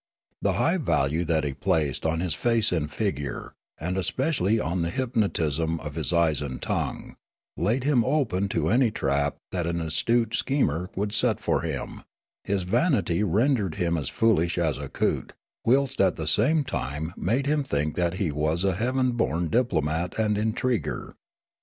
The high value that he placed on his face and figure, and especially on the hypnotism of his eyes and tongue, laid him open to any trap that an astute schemer would set for him ; his vanity rendered him as foolish as a coot, whilst it at the same time made him think that he was a heaven born diplomat and intriguer.